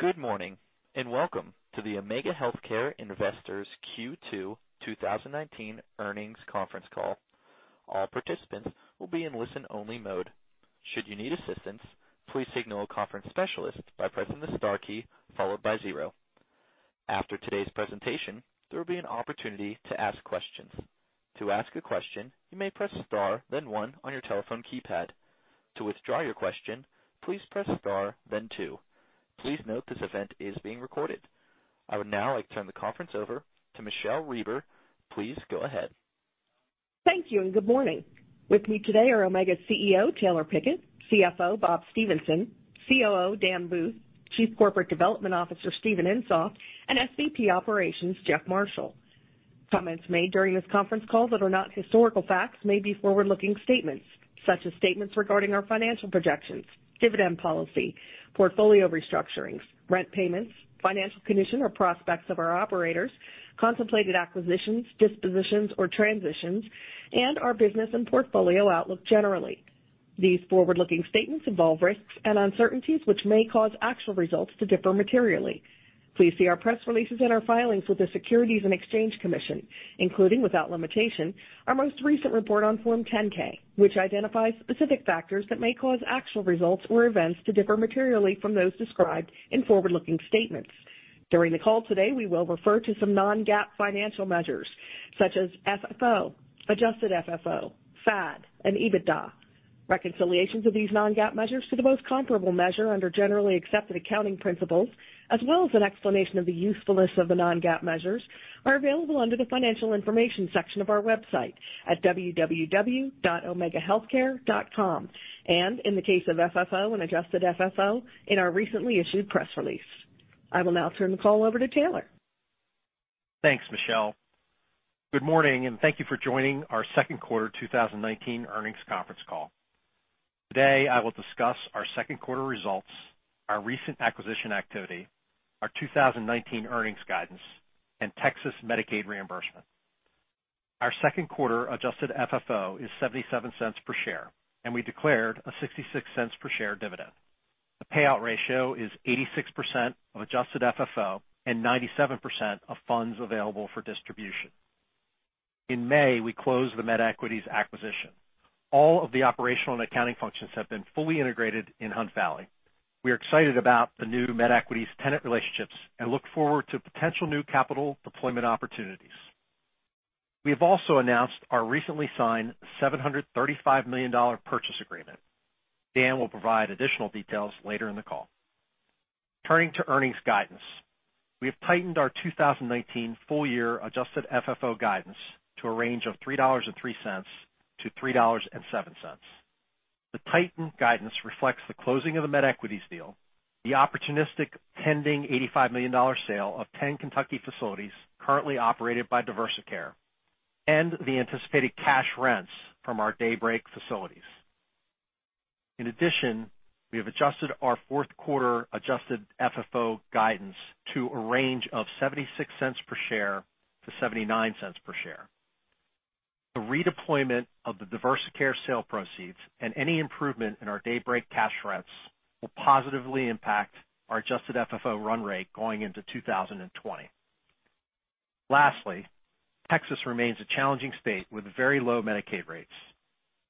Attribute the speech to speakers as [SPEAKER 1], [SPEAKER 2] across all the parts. [SPEAKER 1] Good morning, and welcome to the Omega Healthcare Investors Q2 2019 earnings conference call. All participants will be in listen-only mode. Should you need assistance, please signal a conference specialist by pressing the star key followed by zero. After today's presentation, there will be an opportunity to ask questions. To ask a question, you may press star then one on your telephone keypad. To withdraw your question, please press star then two. Please note this event is being recorded. I would now like to turn the conference over to Michele Reber. Please go ahead.
[SPEAKER 2] Thank you, and good morning. With me today are Omega's CEO, Taylor Pickett, CFO, Bob Stephenson, COO, Dan Booth, Chief Corporate Development Officer, Steven Insoft, and SVP Operations, Jeff Marshall. Comments made during this conference call that are not historical facts may be forward-looking statements such as statements regarding our financial projections, dividend policy, portfolio restructurings, rent payments, financial condition, or prospects of our operators, contemplated acquisitions, dispositions, or transitions, and our business and portfolio outlook generally. These forward-looking statements involve risks and uncertainties which may cause actual results to differ materially. Please see our press releases and our filings with the Securities and Exchange Commission, including, without limitation, our most recent report on Form 10-K, which identifies specific factors that may cause actual results or events to differ materially from those described in forward-looking statements. During the call today, we will refer to some non-GAAP financial measures such as FFO, Adjusted FFO, FAD, and EBITDA. Reconciliations of these non-GAAP measures to the most comparable measure under generally accepted accounting principles, as well as an explanation of the usefulness of the non-GAAP measures, are available under the Financial Information section of our website at www.omegahealthcare.com, and in the case of FFO and Adjusted FFO, in our recently issued press release. I will now turn the call over to Taylor.
[SPEAKER 3] Thanks, Michele. Good morning. Thank you for joining our second quarter 2019 earnings conference call. Today, I will discuss our second quarter results, our recent acquisition activity, our 2019 earnings guidance, and Texas Medicaid reimbursement. Our second quarter Adjusted FFO is $0.77 per share. We declared a $0.66 per share dividend. The payout ratio is 86% of Adjusted FFO and 97% of funds available for distribution. In May, we closed the MedEquities acquisition. All of the operational and accounting functions have been fully integrated in Hunt Valley. We are excited about the new MedEquities tenant relationships and look forward to potential new capital deployment opportunities. We have also announced our recently signed $735 million purchase agreement. Dan will provide additional details later in the call. Turning to earnings guidance. We have tightened our 2019 full-year Adjusted FFO guidance to a range of $3.03-$3.07. The tightened guidance reflects the closing of the MedEquities deal, the opportunistic pending $85 million sale of 10 Kentucky facilities currently operated by Diversicare, and the anticipated cash rents from our DayBreak facilities. In addition, we have adjusted our fourth quarter Adjusted FFO guidance to a range of $0.76 per share to $0.79 per share. The redeployment of the Diversicare sale proceeds and any improvement in our DayBreak cash rents will positively impact our Adjusted FFO run rate going into 2020. Lastly, Texas remains a challenging state with very low Medicaid rates.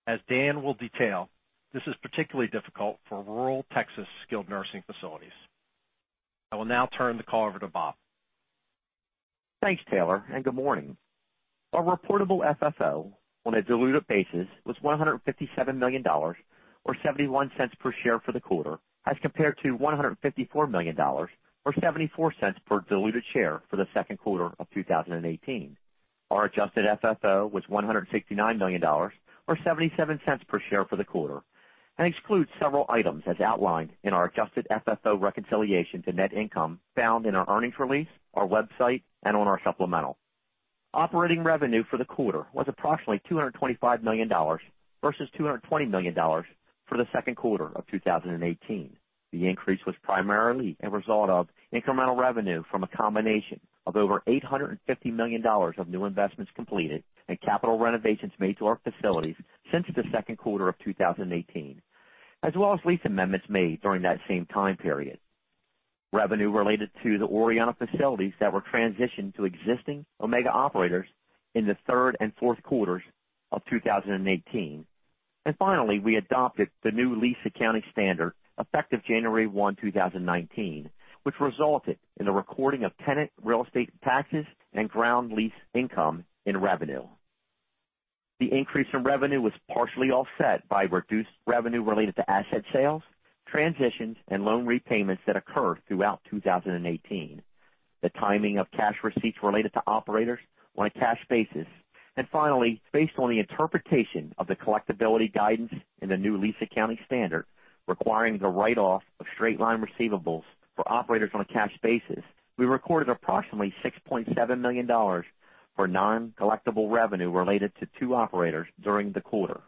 [SPEAKER 3] As Dan will detail, this is particularly difficult for rural Texas skilled nursing facilities. I will now turn the call over to Bob.
[SPEAKER 4] Thanks, Taylor. Good morning. Our reportable FFO on a diluted basis was $157 million, or $0.71 per share for the quarter, as compared to $154 million or $0.74 per diluted share for the second quarter of 2018. Our Adjusted FFO was $169 million or $0.77 per share for the quarter and excludes several items as outlined in our Adjusted FFO reconciliation to net income found in our earnings release, our website, and on our supplemental. Operating revenue for the quarter was approximately $225 million versus $220 million for the second quarter of 2018. The increase was primarily a result of incremental revenue from a combination of over $850 million of new investments completed and capital renovations made to our facilities since the second quarter of 2018, as well as lease amendments made during that same time period. Revenue related to the Orianna facilities that were transitioned to existing Omega operators in the third and fourth quarters of 2018. Finally, we adopted the new lease accounting standard effective January 1, 2019, which resulted in the recording of tenant real estate taxes and ground lease income in revenue. The increase in revenue was partially offset by reduced revenue related to asset sales, transitions, and loan repayments that occurred throughout 2018. The timing of cash receipts related to operators on a cash basis, and finally, based on the interpretation of the collectibility guidance in the new lease accounting standard requiring the write-off of straight-line receivables for operators on a cash basis, we recorded approximately $6.7 million for non-collectible revenue related to two operators during the quarter.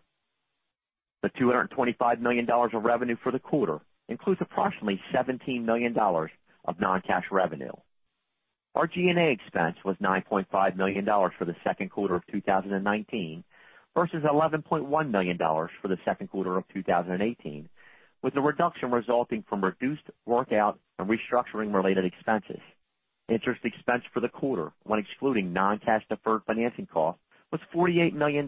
[SPEAKER 4] The $225 million of revenue for the quarter includes approximately $17 million of non-cash revenue. Our G&A expense was $9.5 million for the second quarter of 2019 versus $11.1 million for the second quarter of 2018, with the reduction resulting from reduced workout and restructuring related expenses. Interest expense for the quarter, when excluding non-cash deferred financing costs, was $48 million,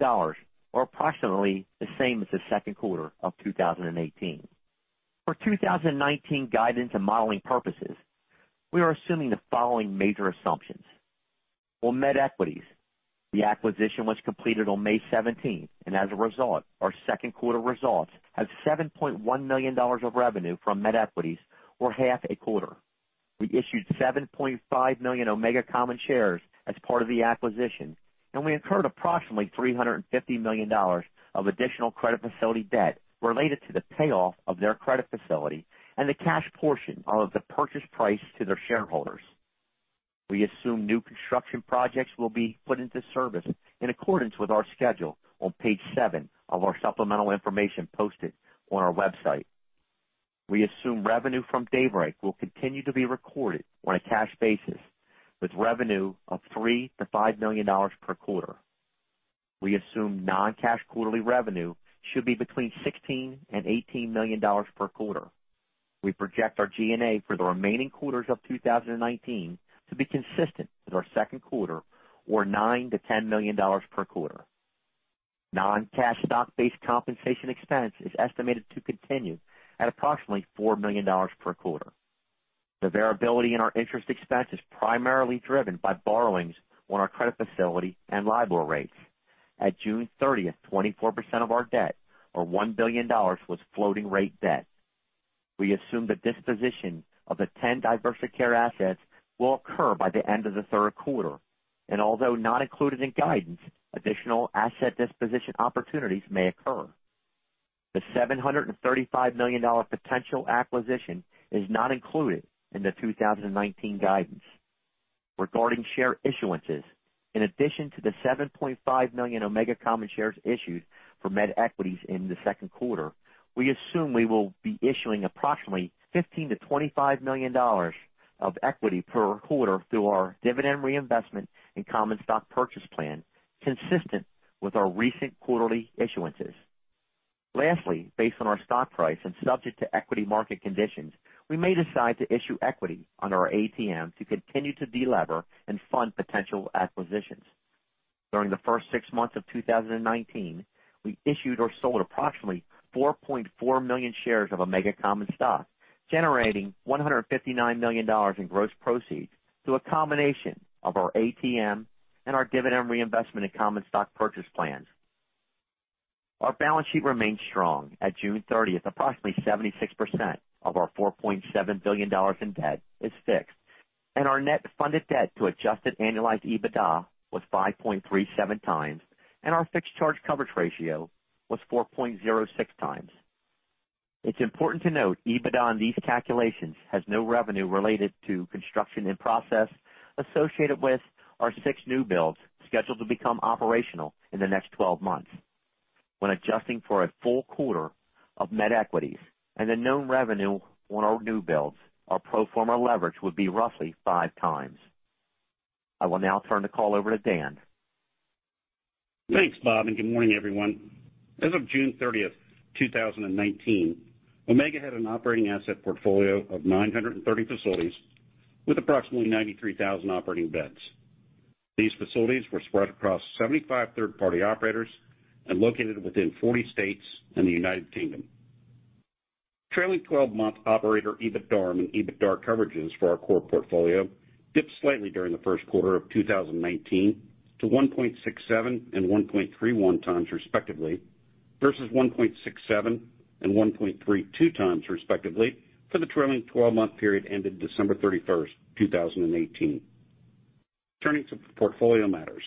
[SPEAKER 4] or approximately the same as the second quarter of 2018. For 2019 guidance and modeling purposes, we are assuming the following major assumptions. For MedEquities, the acquisition was completed on May 17, and as a result, our second quarter results have $7.1 million of revenue from MedEquities for half a quarter. We issued 7.5 million Omega common shares as part of the acquisition, and we incurred approximately $350 million of additional credit facility debt related to the payoff of their credit facility and the cash portion of the purchase price to their shareholders. We assume new construction projects will be put into service in accordance with our schedule on page seven of our supplemental information posted on our website. We assume revenue from DayBreak will continue to be recorded on a cash basis with revenue of $3 million-$5 million per quarter. We assume non-cash quarterly revenue should be between $16 million-$18 million per quarter. We project our G&A for the remaining quarters of 2019 to be consistent with our second quarter or $9 million-$10 million per quarter. Non-cash stock-based compensation expense is estimated to continue at approximately $4 million per quarter. The variability in our interest expense is primarily driven by borrowings on our credit facility and LIBOR rates. At June 30th, 24% of our debt, or $1 billion, was floating rate debt. We assume the disposition of the 10 Diversicare assets will occur by the end of the third quarter, and although not included in guidance, additional asset disposition opportunities may occur. The $735 million potential acquisition is not included in the 2019 guidance. Regarding share issuances, in addition to the 7.5 million Omega common shares issued for MedEquities in the second quarter, we assume we will be issuing approximately $15 million-$25 million of equity per quarter through our Dividend Reinvestment and Common Stock Purchase Plan, consistent with our recent quarterly issuances. Based on our stock price and subject to equity market conditions, we may decide to issue equity on our ATM to continue to delever and fund potential acquisitions. During the first six months of 2019, we issued or sold approximately $4.4 million shares of Omega common stock, generating $159 million in gross proceeds through a combination of our ATM and our dividend reinvestment in common stock purchase plans. Our balance sheet remains strong. At June 30th, approximately 76% of our $4.7 billion in debt is fixed. Our net funded debt to adjusted annualized EBITDA was 5.37 times. Our fixed charge coverage ratio was 4.06 times. It's important to note, EBITDA in these calculations has no revenue related to construction in process associated with our six new builds scheduled to become operational in the next 12 months. When adjusting for a full quarter of MedEquities and the known revenue on our new builds, our pro forma leverage would be roughly five times. I will now turn the call over to Dan.
[SPEAKER 5] Thanks, Bob, good morning, everyone. As of June 30th, 2019, Omega had an operating asset portfolio of 930 facilities with approximately 93,000 operating beds. These facilities were spread across 75 third-party operators and located within 40 states and the U.K. Trailing 12-month operator, EBITDA and EBITDA coverages for our core portfolio dipped slightly during the first quarter of 2019 to 1.67 and 1.31 times respectively versus 1.67 and 1.32 times respectively for the trailing 12-month period ended December 31st, 2018. Turning to portfolio matters.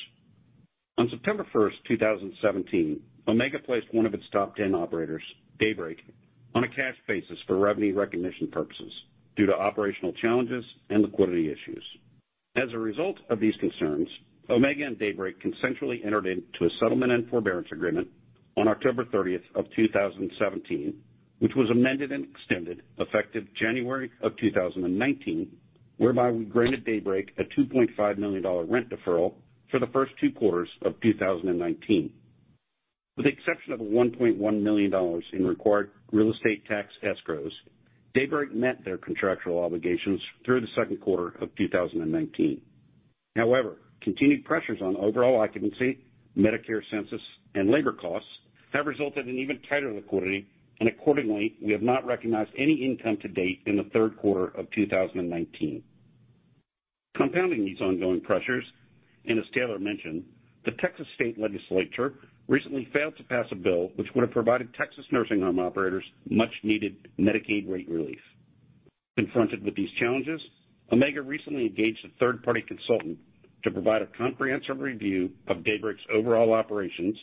[SPEAKER 5] On September 1st, 2017, Omega placed one of its top 10 operators, DayBreak, on a cash basis for revenue recognition purposes due to operational challenges and liquidity issues. As a result of these concerns, Omega and DayBreak consensually entered into a settlement and forbearance agreement on October 30th of 2017, which was amended and extended effective January of 2019, whereby we granted DayBreak a $2.5 million rent deferral for the first two quarters of 2019. With the exception of $1.1 million in required real estate tax escrows, DayBreak met their contractual obligations through the second quarter of 2019. However, continued pressures on overall occupancy, Medicare census, and labor costs have resulted in even tighter liquidity, and accordingly, we have not recognized any income to date in the third quarter of 2019. Compounding these ongoing pressures, and as Taylor mentioned, the Texas State Legislature recently failed to pass a bill which would have provided Texas nursing home operators much needed Medicaid rate relief. Confronted with these challenges, Omega recently engaged a third-party consultant to provide a comprehensive review of DayBreak's overall operations,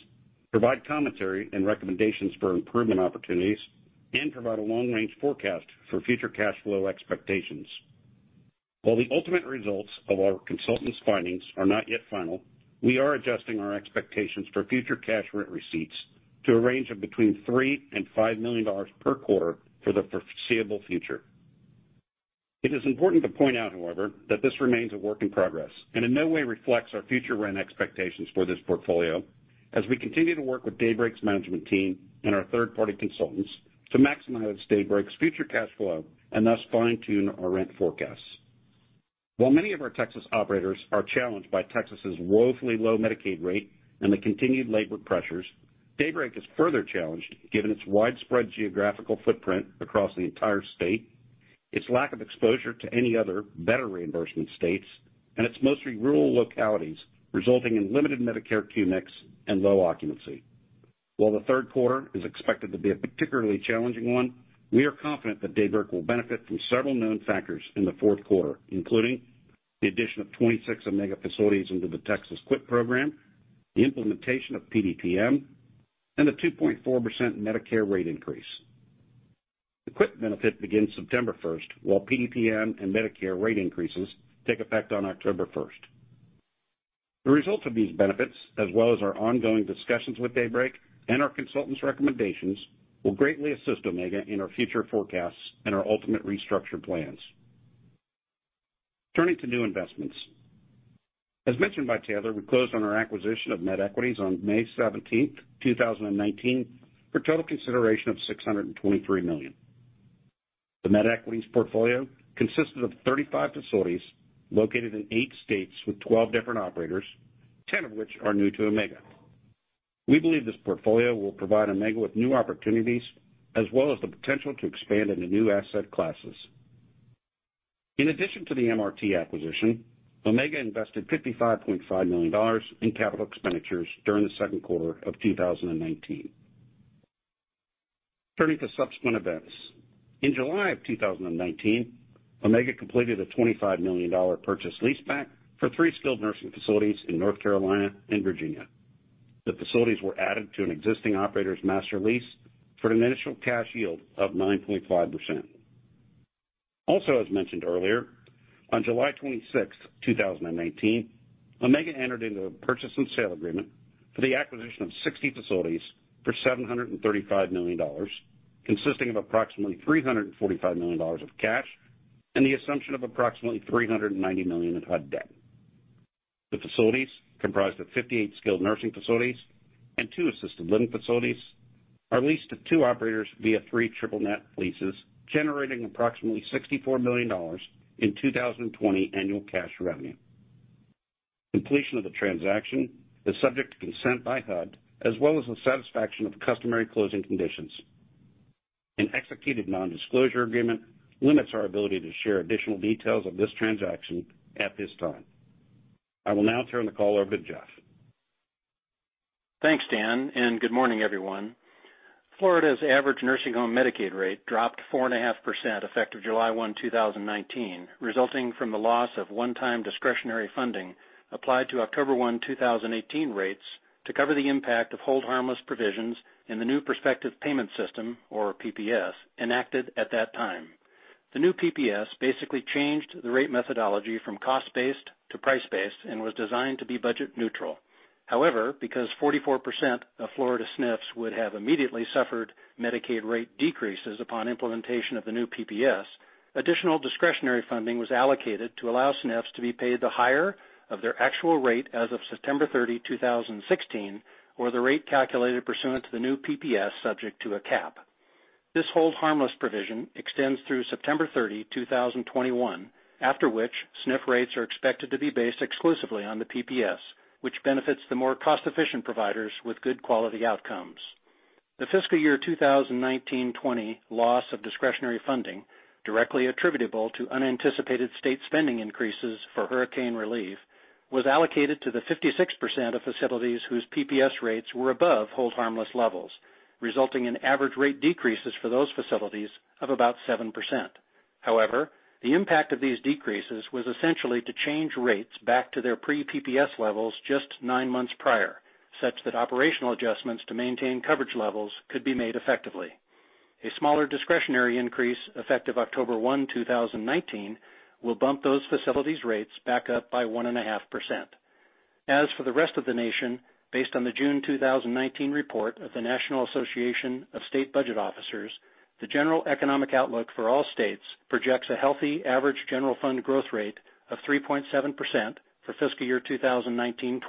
[SPEAKER 5] provide commentary and recommendations for improvement opportunities, and provide a long-range forecast for future cash flow expectations. While the ultimate results of our consultant's findings are not yet final, we are adjusting our expectations for future cash rent receipts to a range of between $3 million and $5 million per quarter for the foreseeable future. It is important to point out, however, that this remains a work in progress and in no way reflects our future rent expectations for this portfolio as we continue to work with DayBreak's management team and our third-party consultants to maximize DayBreak's future cash flow and thus fine-tune our rent forecasts. While many of our Texas operators are challenged by Texas's woefully low Medicaid rate and the continued labor pressures, DayBreak is further challenged given its widespread geographical footprint across the entire state, its lack of exposure to any other better reimbursement states, and its mostly rural localities, resulting in limited Medicare Q mix and low occupancy. While the third quarter is expected to be a particularly challenging one, we are confident that DayBreak will benefit from several known factors in the fourth quarter, including the addition of 26 Omega facilities into the Texas QIP program, the implementation of PDPM, and a 2.4% Medicare rate increase. The QIP benefit begins September 1st, while PDPM and Medicare rate increases take effect on October 1st. The results of these benefits, as well as our ongoing discussions with DayBreak and our consultants' recommendations, will greatly assist Omega in our future forecasts and our ultimate restructure plans. Turning to new investments. As mentioned by Taylor, we closed on our acquisition of MedEquities on May 17th, 2019, for a total consideration of $623 million. The MedEquities portfolio consisted of 35 facilities located in eight states with 12 different operators, 10 of which are new to Omega. We believe this portfolio will provide Omega with new opportunities as well as the potential to expand into new asset classes. In addition to the MRT acquisition, Omega invested $55.5 million in capital expenditures during the second quarter of 2019. Turning to subsequent events. In July of 2019, Omega completed a $25 million purchase leaseback for three skilled nursing facilities in North Carolina and Virginia. The facilities were added to an existing operator's master lease for an initial cash yield of 9.5%. As mentioned earlier, on July 26th, 2019, Omega entered into a purchase and sale agreement for the acquisition of 60 facilities for $735 million, consisting of approximately $345 million of cash and the assumption of approximately $390 million in HUD debt. The facilities, comprised of 58 skilled nursing facilities and two assisted living facilities, are leased to two operators via three triple-net leases, generating approximately $64 million in 2020 annual cash revenue. Completion of the transaction is subject to consent by HUD as well as the satisfaction of customary closing conditions. An executed non-disclosure agreement limits our ability to share additional details of this transaction at this time. I will now turn the call over to Jeff.
[SPEAKER 6] Thanks, Dan, good morning, everyone. Florida's average nursing home Medicaid rate dropped 4.5% effective July 1, 2019, resulting from the loss of one-time discretionary funding applied to October 1, 2018 rates to cover the impact of hold harmless provisions in the new prospective payment system, or PPS, enacted at that time. The new PPS basically changed the rate methodology from cost-based to price-based and was designed to be budget neutral. Because 44% of Florida SNFs would have immediately suffered Medicaid rate decreases upon implementation of the new PPS, additional discretionary funding was allocated to allow SNFs to be paid the higher of their actual rate as of September 30, 2016, or the rate calculated pursuant to the new PPS subject to a cap. This hold harmless provision extends through September 30, 2021, after which SNF rates are expected to be based exclusively on the PPS, which benefits the more cost-efficient providers with good quality outcomes. The fiscal year 2019-20 loss of discretionary funding directly attributable to unanticipated state spending increases for hurricane relief was allocated to the 56% of facilities whose PPS rates were above hold harmless levels, resulting in average rate decreases for those facilities of about 7%. The impact of these decreases was essentially to change rates back to their pre-PPS levels just nine months prior, such that operational adjustments to maintain coverage levels could be made effectively. A smaller discretionary increase effective October 1, 2019, will bump those facilities' rates back up by 1.5%. As for the rest of the nation, based on the June 2019 report of the National Association of State Budget Officers, the general economic outlook for all states projects a healthy average general fund growth rate of 3.7% for fiscal year 2019-2020,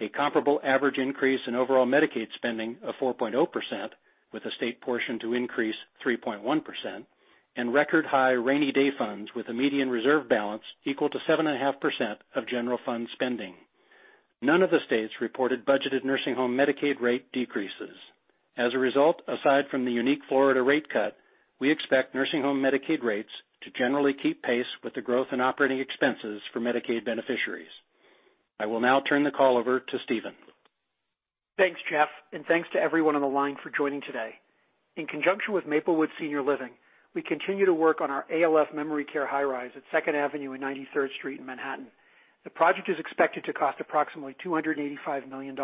[SPEAKER 6] a comparable average increase in overall Medicaid spending of 4.0%, with the state portion to increase 3.1%, and record high rainy day funds with a median reserve balance equal to 7.5% of general fund spending. None of the states reported budgeted nursing home Medicaid rate decreases. As a result, aside from the unique Florida rate cut, we expect nursing home Medicaid rates to generally keep pace with the growth in operating expenses for Medicaid beneficiaries. I will now turn the call over to Steven.
[SPEAKER 7] Thanks, Jeff, thanks to everyone on the line for joining today. In conjunction with Maplewood Senior Living, we continue to work on our ALF memory care high-rise at 2nd Avenue and 93rd Street in Manhattan. The project is expected to cost approximately $285 million,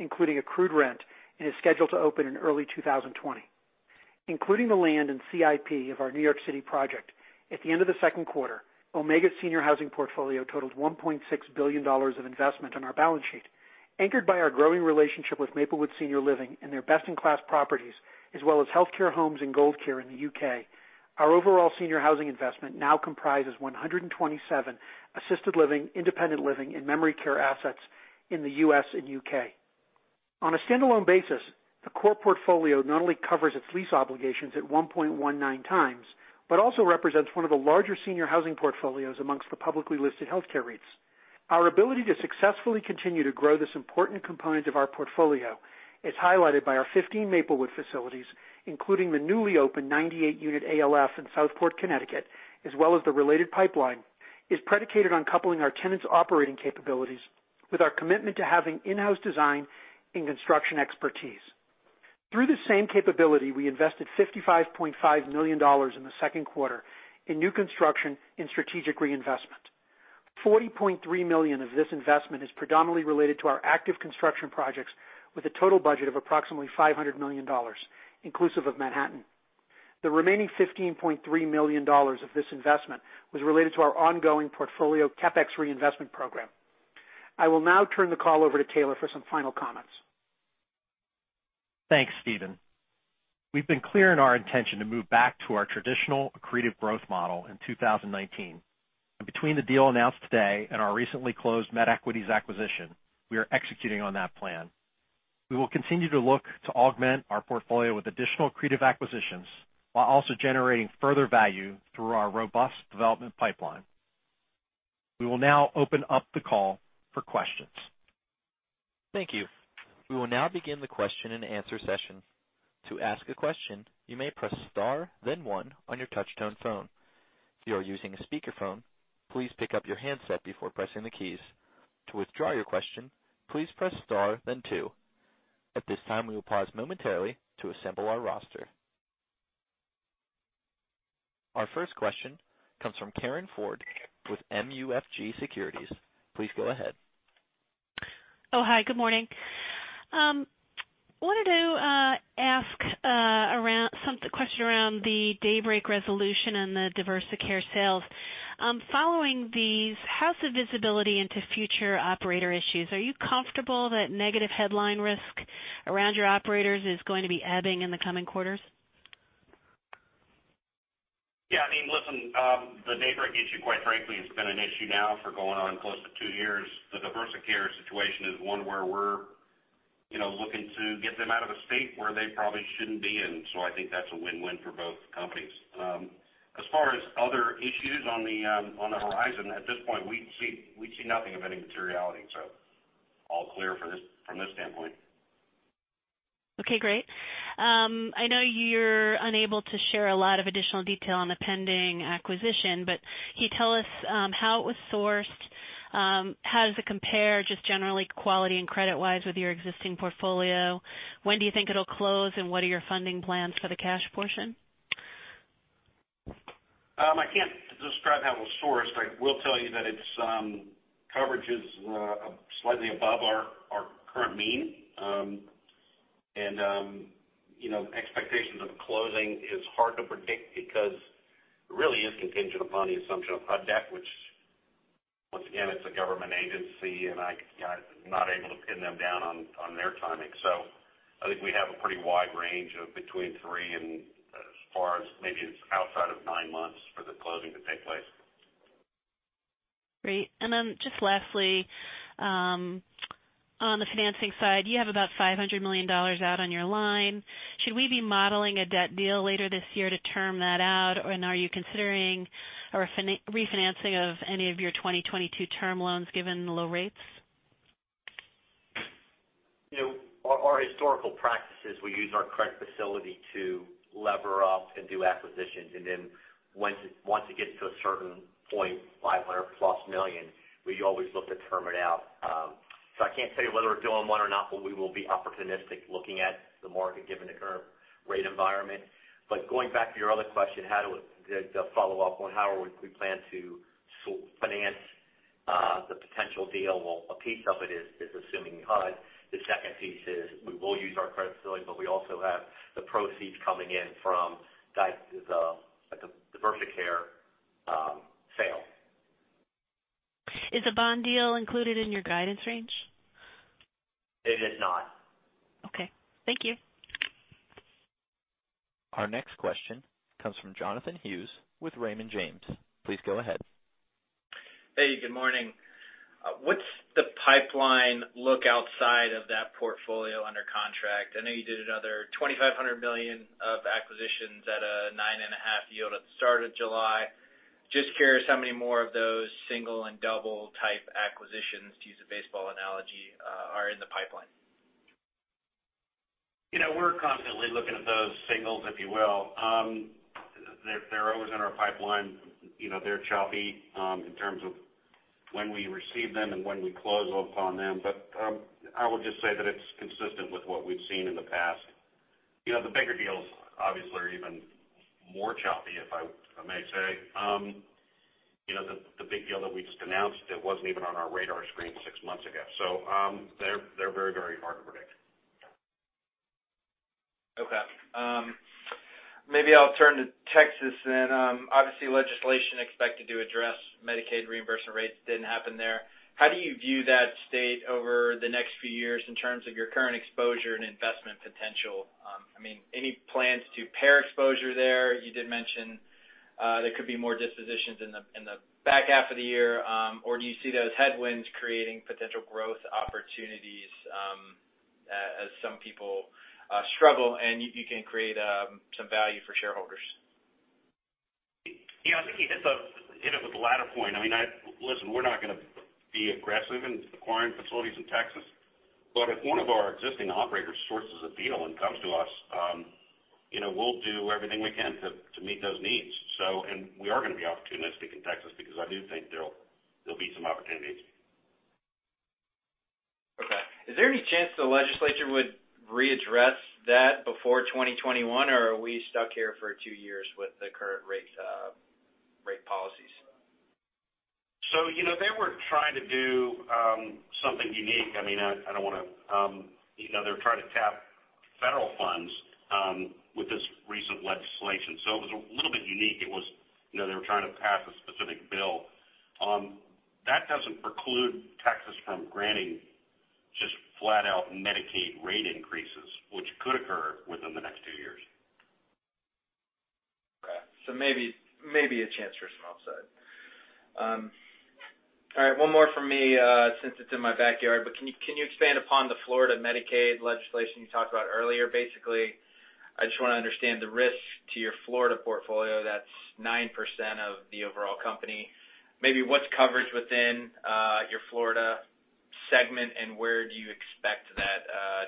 [SPEAKER 7] including accrued rent, and is scheduled to open in early 2020. Including the land and CIP of our New York City project, at the end of the second quarter, Omega's senior housing portfolio totaled $1.6 billion of investment on our balance sheet, anchored by our growing relationship with Maplewood Senior Living and their best-in-class properties, as well as Healthcare Homes and Gold Care in the U.K. Our overall senior housing investment now comprises 127 assisted living, independent living, and memory care assets in the U.S. and U.K. On a standalone basis, the core portfolio not only covers its lease obligations at 1.19 times, but also represents one of the larger senior housing portfolios amongst the publicly listed healthcare REITs. Our ability to successfully continue to grow this important component of our portfolio is highlighted by our 15 Maplewood facilities, including the newly opened 98-unit ALF in Southport, Connecticut, as well as the related pipeline, is predicated on coupling our tenants' operating capabilities with our commitment to having in-house design and construction expertise. Through the same capability, we invested $55.5 million in the second quarter in new construction and strategic reinvestment. $40.3 million of this investment is predominantly related to our active construction projects, with a total budget of approximately $500 million, inclusive of Manhattan. The remaining $15.3 million of this investment was related to our ongoing portfolio CapEx reinvestment program. I will now turn the call over to Taylor for some final comments.
[SPEAKER 3] Thanks, Steven. We've been clear in our intention to move back to our traditional accretive growth model in 2019, and between the deal announced today and our recently closed MedEquities acquisition, we are executing on that plan. We will continue to look to augment our portfolio with additional accretive acquisitions while also generating further value through our robust development pipeline. We will now open up the call for questions.
[SPEAKER 1] Thank you. We will now begin the question and answer session. To ask a question, you may press star then 1 on your touchtone phone. If you are using a speakerphone, please pick up your handset before pressing the keys. To withdraw your question, please press star then 2. At this time, we will pause momentarily to assemble our roster. Our first question comes from Karin Ford with MUFG Securities. Please go ahead.
[SPEAKER 8] Oh, hi. Good morning. I wanted to ask a question around the DayBreak resolution and the Diversicare sales. Following these, how's the visibility into future operator issues? Are you comfortable that negative headline risk around your operators is going to be ebbing in the coming quarters?
[SPEAKER 3] The DayBreak issue, quite frankly, has been an issue now for going on close to 2 years. The Diversicare situation is one where we're looking to get them out of a state where they probably shouldn't be in. I think that's a win-win for both companies. As far as other issues on the horizon, at this point, we see nothing of any materiality. All clear from this standpoint.
[SPEAKER 8] Okay, great. I know you're unable to share a lot of additional detail on the pending acquisition, but can you tell us how it was sourced? How does it compare, just generally quality and credit-wise, with your existing portfolio? When do you think it'll close, and what are your funding plans for the cash portion?
[SPEAKER 3] I can't describe how it was sourced. I will tell you that its coverage is slightly above our current mean. Expectations of closing is hard to predict because it really is contingent upon the assumption of HUD, which, once again, it's a government agency, and I'm not able to pin them down on their timing. I think we have a pretty wide range of between three and as far as maybe outside of nine months for the closing to take place.
[SPEAKER 8] Great. Just lastly, on the financing side, you have about $500 million out on your line. Should we be modeling a debt deal later this year to term that out, and are you considering a refinancing of any of your 2022 term loans, given the low rates?
[SPEAKER 4] Our historical practice is we use our credit facility to lever up and do acquisitions, and then once it gets to a certain point, $500-plus million, we always look to term it out. I can't tell you whether we're doing one or not, but we will be opportunistic looking at the market given the current rate environment. Going back to your other question, the follow-up on how we plan to finance the potential deal. Well, a piece of it is assuming HUD. The second piece is we will use our credit facility, but we also have the proceeds coming in from Diversicare sale.
[SPEAKER 8] Is the bond deal included in your guidance range?
[SPEAKER 4] It is not.
[SPEAKER 8] Okay. Thank you.
[SPEAKER 1] Our next question comes from Jonathan Hughes with Raymond James. Please go ahead.
[SPEAKER 9] Hey, good morning. What is the pipeline look outside of that portfolio under contract? I know you did another $2,500 million of acquisitions at a 9.5 yield at the start of July. Just curious how many more of those single and double type acquisitions, to use a baseball analogy, are in the pipeline?
[SPEAKER 3] We're constantly looking at those singles, if you will. They're always in our pipeline. They're choppy in terms of when we receive them and when we close upon them. I would just say that it's consistent with what we've seen in the past. The bigger deals obviously are even more choppy, if I may say.
[SPEAKER 5] The big deal that we just announced, it wasn't even on our radar screen six months ago. They're very hard to predict.
[SPEAKER 9] Okay. Maybe I'll turn to Texas. Obviously, legislation expected to address Medicaid reimbursement rates didn't happen there. How do you view that state over the next few years in terms of your current exposure and investment potential? Any plans to pair exposure there? You did mention there could be more dispositions in the back half of the year, or do you see those headwinds creating potential growth opportunities as some people struggle, and you can create some value for shareholders?
[SPEAKER 5] Yeah. I think you hit it with the latter point. Listen, we're not going to be aggressive in acquiring facilities in Texas, but if one of our existing operators sources a deal and comes to us, we'll do everything we can to meet those needs. We are going to be opportunistic in Texas, because I do think there'll be some opportunities.
[SPEAKER 9] Okay. Is there any chance the legislature would readdress that before 2021, or are we stuck here for two years with the current rate policies?
[SPEAKER 5] They were trying to do something unique. They were trying to tap federal funds with this recent legislation. It was a little bit unique. They were trying to pass a specific bill. That doesn't preclude Texas from granting just flat out Medicaid rate increases, which could occur within the next two years.
[SPEAKER 9] Okay. Maybe a chance for some upside. All right, one more from me, since it's in my backyard. Can you expand upon the Florida Medicaid legislation you talked about earlier? Basically, I just want to understand the risk to your Florida portfolio. That's 9% of the overall company. Maybe what's covered within your Florida segment, and where do you expect that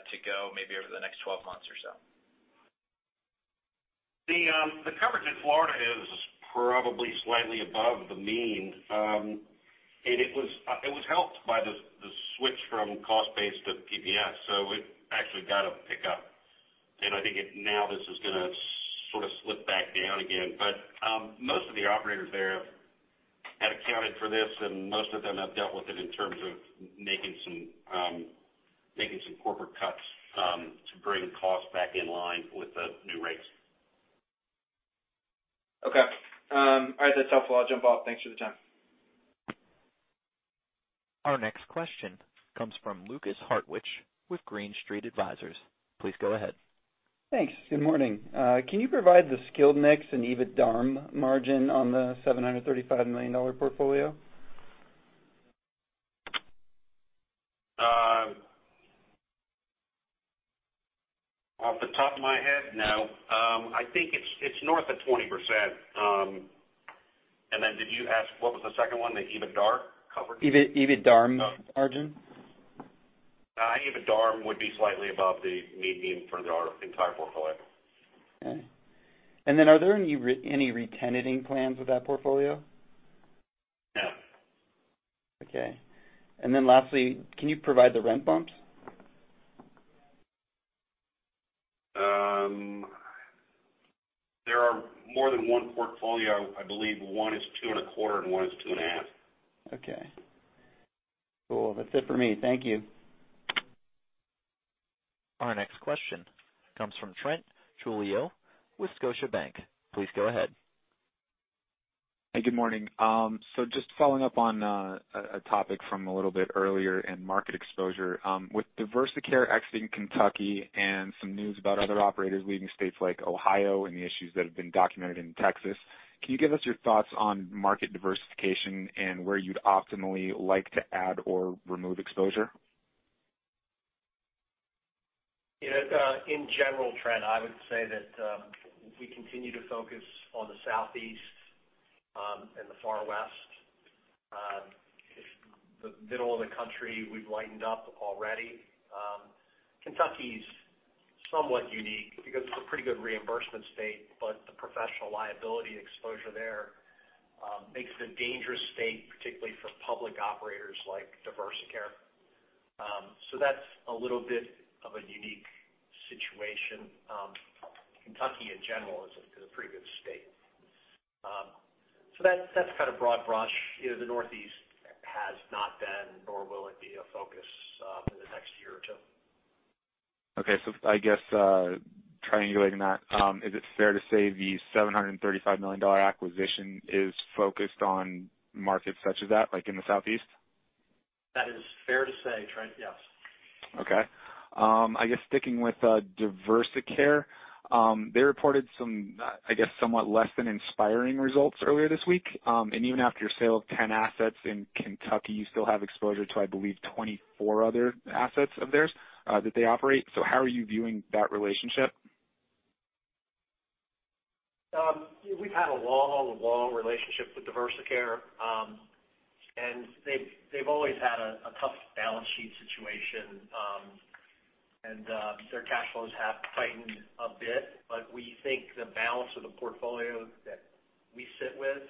[SPEAKER 9] to go, maybe over the next 12 months or so?
[SPEAKER 5] The coverage in Florida is probably slightly above the mean. It was helped by the switch from cost-based to PPS. It actually got a pickup, and I think now this is going to sort of slip back down again. Most of the operators there have accounted for this, and most of them have dealt with it in terms of making some corporate cuts to bring costs back in line with the new rates.
[SPEAKER 9] Okay. All right, that's helpful. I'll jump off. Thanks for the time.
[SPEAKER 1] Our next question comes from Lukas Hartwich with Green Street Advisors. Please go ahead.
[SPEAKER 10] Thanks. Good morning. Can you provide the skilled mix and EBITDARM margin on the $735 million portfolio?
[SPEAKER 5] Off the top of my head, no. I think it's north of 20%. Did you ask, what was the second one? The EBITDARM coverage?
[SPEAKER 10] EBITDARM margin.
[SPEAKER 5] EBITDARM would be slightly above the mean for our entire portfolio.
[SPEAKER 10] Okay. Are there any retenanting plans with that portfolio?
[SPEAKER 5] No.
[SPEAKER 10] Okay. Then lastly, can you provide the rent bumps?
[SPEAKER 5] There are more than one portfolio. I believe one is two and a quarter, and one is two and a half.
[SPEAKER 10] Okay. Cool. That's it for me. Thank you.
[SPEAKER 1] Our next question comes from Trent Giulio with Scotiabank. Please go ahead.
[SPEAKER 11] Hey, good morning. Just following up on a topic from a little bit earlier in market exposure. With Diversicare exiting Kentucky and some news about other operators leaving states like Ohio and the issues that have been documented in Texas, can you give us your thoughts on market diversification and where you'd optimally like to add or remove exposure?
[SPEAKER 5] In general, Trent, I would say that we continue to focus on the Southeast and the Far West. The middle of the country, we've lightened up already. Kentucky's somewhat unique, because it's a pretty good reimbursement state, but the professional liability exposure there makes it a dangerous state, particularly for public operators like Diversicare. That's a little bit of a unique situation. Kentucky, in general, is a pretty good state. That's kind of broad brush. The Northeast has not been, nor will it be, a focus for the next year or two.
[SPEAKER 11] Okay. I guess, triangulating that, is it fair to say the $735 million acquisition is focused on markets such as that, like in the Southeast?
[SPEAKER 5] That is fair to say, Trent. Yes.
[SPEAKER 11] Okay. I guess sticking with Diversicare, they reported some, I guess somewhat less than inspiring results earlier this week. Even after your sale of 10 assets in Kentucky, you still have exposure to, I believe, 24 other assets of theirs that they operate. How are you viewing that relationship?
[SPEAKER 5] We've had a long relationship with Diversicare. They've always had a tough balance sheet situation. Their cash flows have tightened a bit, but we think the balance of the portfolio that we sit with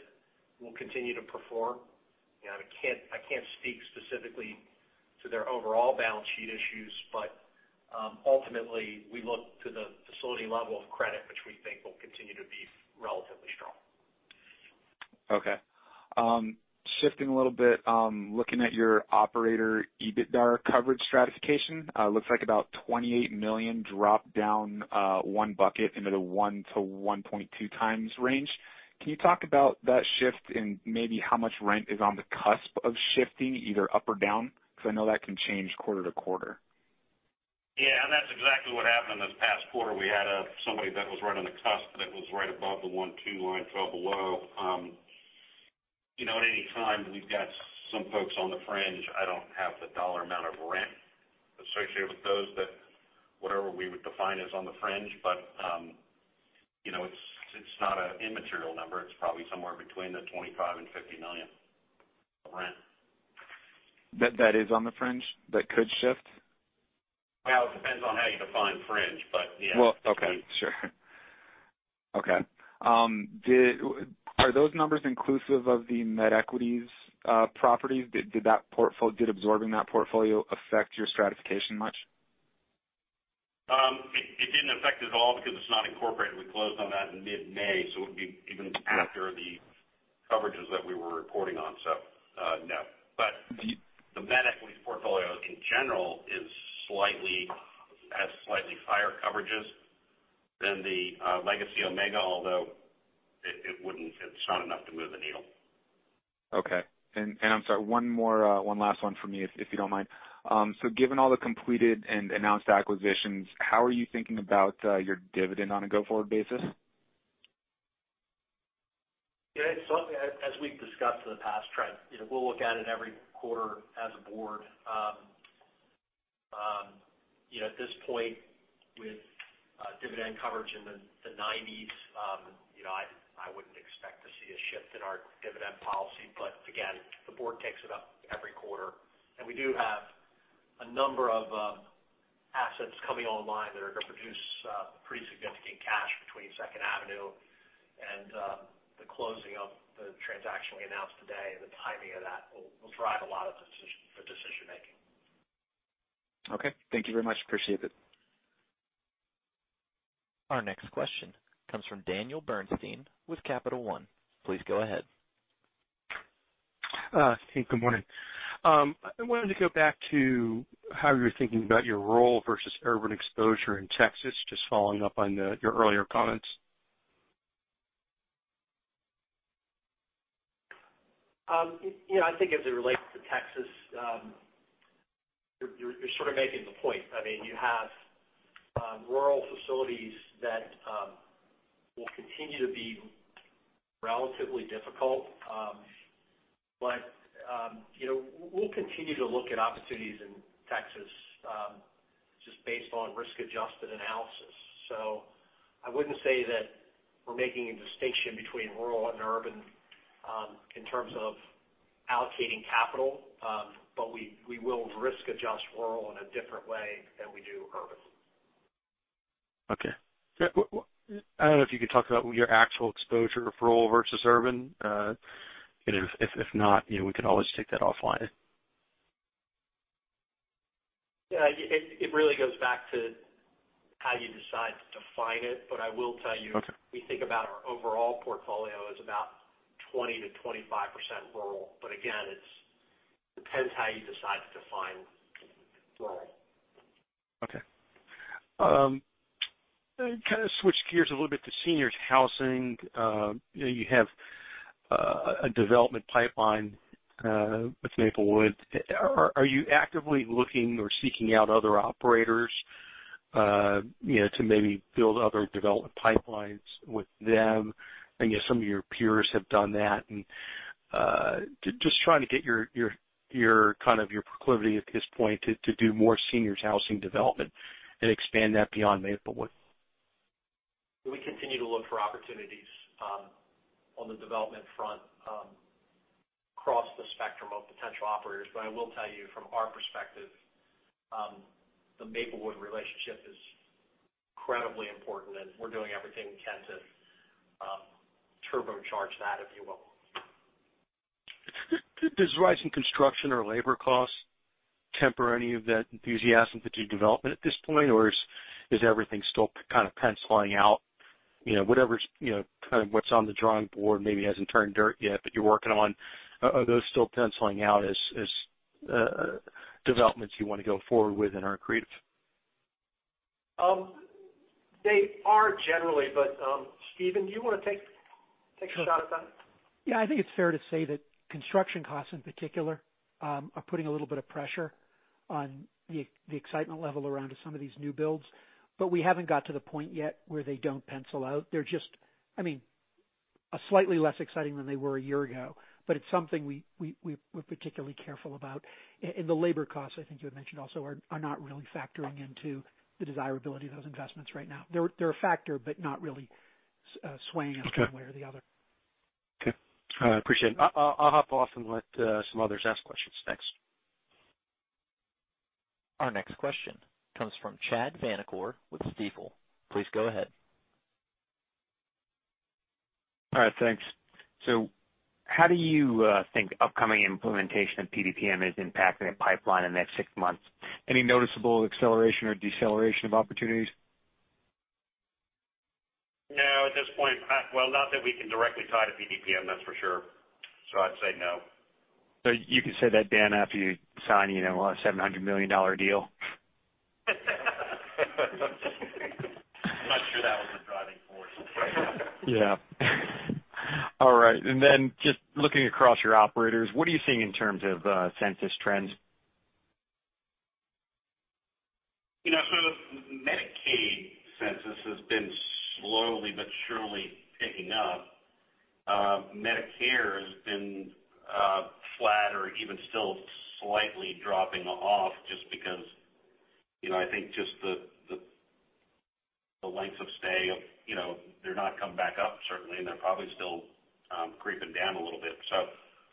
[SPEAKER 5] will continue to perform. I can't speak specifically.
[SPEAKER 3] To their overall balance sheet issues. Ultimately, we look to the facility level of credit, which we think will continue to be relatively strong.
[SPEAKER 11] Okay. Shifting a little bit, looking at your operator EBITDA coverage stratification. Looks like about $28 million dropped down one bucket into the one to 1.2 times range. Can you talk about that shift and maybe how much rent is on the cusp of shifting either up or down? I know that can change quarter-to-quarter.
[SPEAKER 5] Yeah. That's exactly what happened this past quarter. We had somebody that was right on the cusp that was right above the 1.2 line, 1.2 below. At any time, we've got some folks on the fringe. I don't have the dollar amount of rent associated with those that whatever we would define as on the fringe. It's not an immaterial number. It's probably somewhere between the $25 million and $50 million of rent.
[SPEAKER 11] That is on the fringe, that could shift?
[SPEAKER 5] Well, it depends on how you define fringe, but yeah.
[SPEAKER 11] Okay. Sure. Okay. Are those numbers inclusive of the MedEquities properties? Did absorbing that portfolio affect your stratification much?
[SPEAKER 5] It didn't affect at all because it's not incorporated. We closed on that in mid-May, so it would be even after the coverages that we were reporting on, so no. The MedEquities portfolio in general has slightly higher coverages than the legacy Omega, although it's not enough to move the needle.
[SPEAKER 11] Okay. I'm sorry, one last one from me, if you don't mind. Given all the completed and announced acquisitions, how are you thinking about your dividend on a go-forward basis?
[SPEAKER 3] As we've discussed for the past trend, we'll look at it every quarter as a Board. At this point with dividend coverage in the 90s, I wouldn't expect to see a shift in our dividend policy. Again, the Board takes it up every quarter, and we do have a number of assets coming online that are going to produce pretty significant cash between Second Avenue and the closing of the transaction we announced today. The timing of that will drive a lot of the decision-making.
[SPEAKER 11] Okay. Thank you very much. Appreciate it.
[SPEAKER 1] Our next question comes from Daniel Bernstein with Capital One. Please go ahead.
[SPEAKER 12] Hey, good morning. I wanted to go back to how you were thinking about your role versus urban exposure in Texas, just following up on your earlier comments.
[SPEAKER 3] I think as it relates to Texas, you're sort of making the point. You have rural facilities that will continue to be relatively difficult. We'll continue to look at opportunities in Texas, just based on risk-adjusted analysis. I wouldn't say that we're making a distinction between rural and urban in terms of allocating capital. We will risk adjust rural in a different way than we do urban.
[SPEAKER 12] Okay. I don't know if you could talk about your actual exposure for rural versus urban. If not, we could always take that offline.
[SPEAKER 3] Yeah. It really goes back to how you decide to define it. I will tell you.
[SPEAKER 12] Okay
[SPEAKER 3] We think about our overall portfolio as about 20%-25% rural. Again, it depends how you decide to define rural.
[SPEAKER 12] Okay. Kind of switch gears a little bit to seniors housing. You have a development pipeline with Maplewood. Are you actively looking or seeking out other operators to maybe build other development pipelines with them? I know some of your peers have done that, just trying to get your proclivity at this point to do more seniors housing development and expand that beyond Maplewood.
[SPEAKER 3] We continue to look for opportunities on the development front across the spectrum of potential operators. I will tell you from our perspective, the Maplewood relationship is incredibly important, and we're doing everything we can to turbocharge that, if you will.
[SPEAKER 12] Does rising construction or labor costs temper any of that enthusiasm for new development at this point, or is everything still kind of penciling out? Whatever's kind of what's on the drawing board, maybe hasn't turned dirt yet, but you're working on. Are those still penciling out as developments you want to go forward with and are accretive?
[SPEAKER 3] They are generally, but Steven, do you want to take a shot at that?
[SPEAKER 7] Yeah. I think it's fair to say that construction costs in particular, are putting a little bit of pressure on the excitement level around some of these new builds. We haven't got to the point yet where they don't pencil out. They're just slightly less exciting than they were a year ago, but it's something we're particularly careful about. The labor costs, I think you had mentioned also, are not really factoring into the desirability of those investments right now. They're a factor, but not really swaying us one way or the other.
[SPEAKER 12] Okay. I appreciate it. I'll hop off and let some others ask questions next.
[SPEAKER 1] Our next question comes from Chad Vanacore with Stifel. Please go ahead.
[SPEAKER 13] All right, thanks. How do you think upcoming implementation of PDPM is impacting the pipeline in the next six months? Any noticeable acceleration or deceleration of opportunities?
[SPEAKER 3] No, at this point. Well, not that we can directly tie to PDPM, that's for sure. I'd say no.
[SPEAKER 13] You can say that, Dan, after you sign a $700 million deal?
[SPEAKER 5] I'm not sure that was the driving force.
[SPEAKER 13] Yeah. All right. Just looking across your operators, what are you seeing in terms of census trends?
[SPEAKER 5] The Medicaid census has been slowly but surely picking up. Medicare has been flat or even still slightly dropping off because I think the length of stay, they're not coming back up certainly, and they're probably still creeping down a little bit.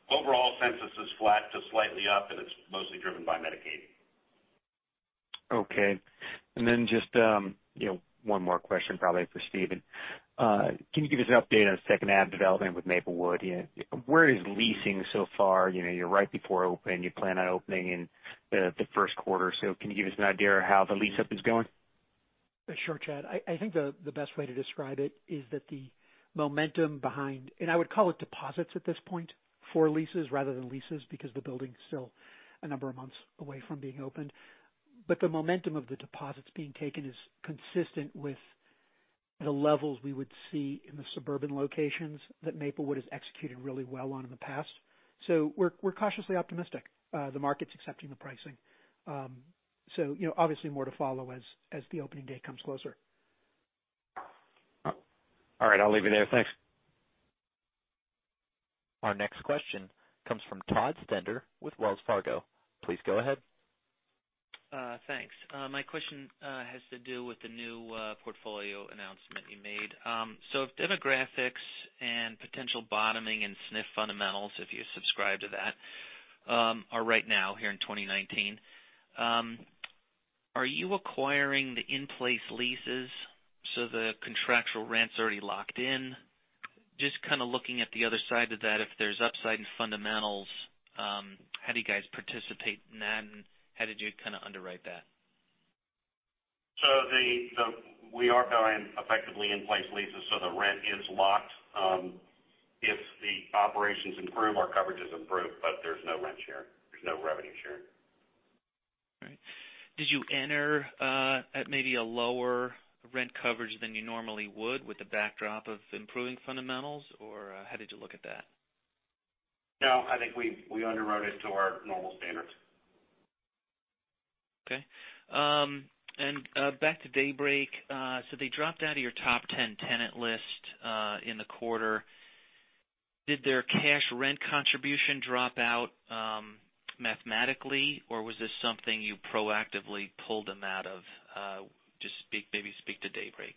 [SPEAKER 5] Overall census is flat to slightly up, and it's mostly driven by Medicaid.
[SPEAKER 13] Okay. Just one more question, probably for Steven. Can you give us an update on second half development with Maplewood? Where is leasing so far? You're right before open. You plan on opening in the first quarter. Can you give us an idea of how the lease-up is going?
[SPEAKER 7] Sure, Chad. I think the best way to describe it is that the momentum behind, and I would call it deposits at this point, for leases rather than leases, because the building's still a number of months away from being opened. The momentum of the deposits being taken is consistent with the levels we would see in the suburban locations that Maplewood has executed really well on in the past. We're cautiously optimistic. The market's accepting the pricing. Obviously more to follow as the opening day comes closer.
[SPEAKER 13] All right, I'll leave you there. Thanks.
[SPEAKER 1] Our next question comes from Todd Stender with Wells Fargo. Please go ahead.
[SPEAKER 14] Thanks. My question has to do with the new portfolio announcement you made. If demographics and potential bottoming in SNF fundamentals, if you subscribe to that, are right now here in 2019, are you acquiring the in-place leases so the contractual rent's already locked in? Just kind of looking at the other side of that, if there's upside in fundamentals, how do you guys participate in that, and how did you underwrite that?
[SPEAKER 3] We are buying effectively in-place leases, so the rent is locked. If the operations improve, our coverages improve, but there's no rent sharing. There's no revenue sharing.
[SPEAKER 14] All right. Did you enter at maybe a lower rent coverage than you normally would with the backdrop of improving fundamentals? How did you look at that?
[SPEAKER 3] No, I think we underwrote it to our normal standards.
[SPEAKER 14] Okay. Back to Daybreak. They dropped out of your top 10 tenant list in the quarter. Did their cash rent contribution drop out mathematically, or was this something you proactively pulled them out of? Just maybe speak to Daybreak.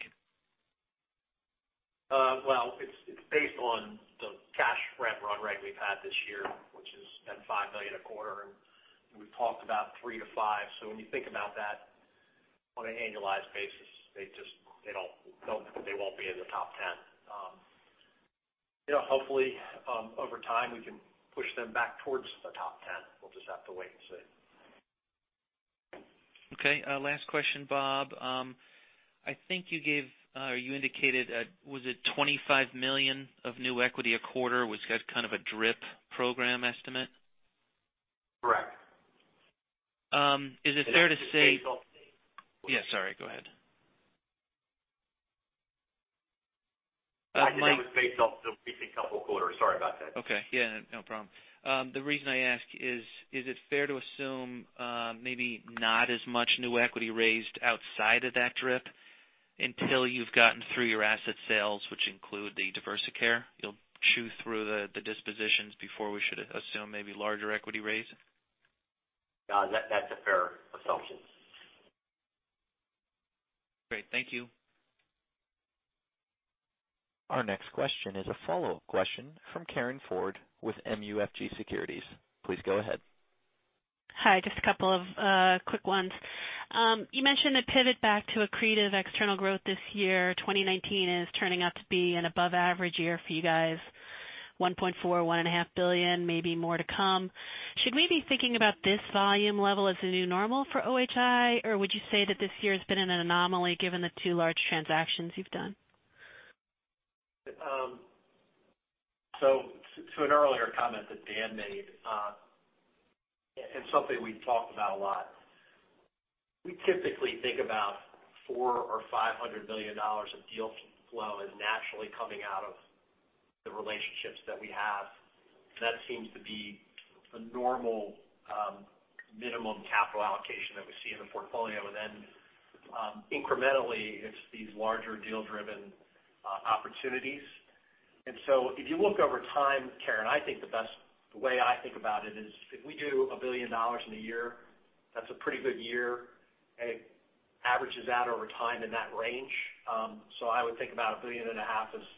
[SPEAKER 5] Well, it's based on the cash rent run rate we've had this year, which has been $5 million a quarter. We've talked about three to five. When you think about that on an annualized basis, they won't be in the top 10. Hopefully, over time, we can push them back towards the top 10. We'll just have to wait and see.
[SPEAKER 14] Okay. Last question, Bob. I think you gave or you indicated, was it $25 million of new equity a quarter, which got kind of a drip program estimate?
[SPEAKER 4] Correct.
[SPEAKER 14] Is it fair to say-
[SPEAKER 4] That was based off.
[SPEAKER 14] Yeah, sorry. Go ahead.
[SPEAKER 4] That was based off the recent couple of quarters. Sorry about that.
[SPEAKER 14] Okay. Yeah, no problem. The reason I ask is it fair to assume maybe not as much new equity raised outside of that drip until you've gotten through your asset sales, which include the Diversicare? You'll chew through the dispositions before we should assume maybe larger equity raise?
[SPEAKER 4] That's a fair assumption.
[SPEAKER 14] Great. Thank you.
[SPEAKER 1] Our next question is a follow-up question from Karin Ford with MUFG Securities. Please go ahead.
[SPEAKER 8] Hi. Just a couple of quick ones. You mentioned the pivot back to accretive external growth this year. 2019 is turning out to be an above average year for you guys, $1.4 billion, $1.5 billion, maybe more to come. Should we be thinking about this volume level as the new normal for OHI? Would you say that this year has been an anomaly given the two large transactions you've done?
[SPEAKER 3] To an earlier comment that Dan made, and something we've talked about a lot, we typically think about $400 million or $500 million of deal flow as naturally coming out of the relationships that we have. That seems to be a normal minimum capital allocation that we see in the portfolio. Then incrementally, it's these larger deal-driven opportunities. If you look over time, Karin, I think the best way I think about it is if we do $1 billion in a year, that's a pretty good year. It averages out over time in that range. I would think about $1.5 billion is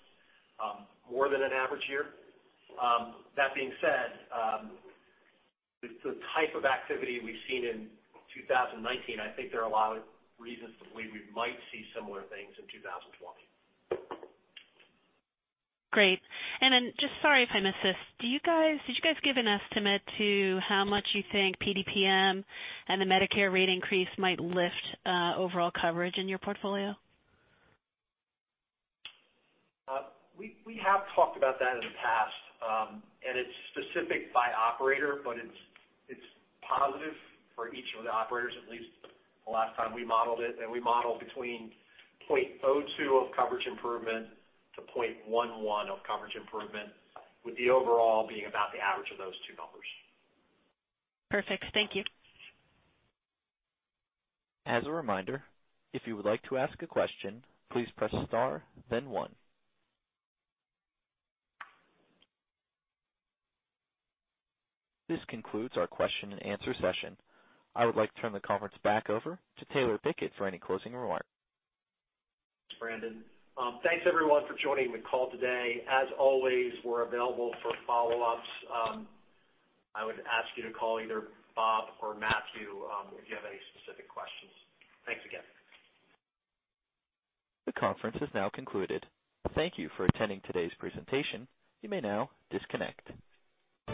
[SPEAKER 3] more than an average year. That being said, with the type of activity we've seen in 2019, I think there are a lot of reasons to believe we might see similar things in 2020.
[SPEAKER 8] Great. Sorry if I missed this. Did you guys give an estimate to how much you think PDPM and the Medicare rate increase might lift overall coverage in your portfolio?
[SPEAKER 3] We have talked about that in the past, and it's specific by operator, but it's positive for each of the operators, at least the last time we modeled it. We modeled between 0.02 of coverage improvement to 0.11 of coverage improvement, with the overall being about the average of those two numbers.
[SPEAKER 8] Perfect. Thank you.
[SPEAKER 1] As a reminder, if you would like to ask a question, please press star then one. This concludes our question and answer session. I would like to turn the conference back over to Taylor Pickett for any closing remarks.
[SPEAKER 3] Thanks, Brandon. Thanks everyone for joining the call today. As always, we're available for follow-ups. I would ask you to call either Bob or Matthew if you have any specific questions. Thanks again.
[SPEAKER 1] The conference is now concluded. Thank you for attending today's presentation. You may now disconnect.